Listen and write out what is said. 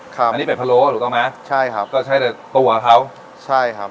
ครับอันนี้เป็ดพะโล้ถูกต้องไหมใช่ครับก็ใช้แต่ตัวเขาใช่ครับ